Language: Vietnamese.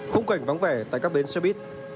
khung cảnh vắng vẻ tại các biến xe buýt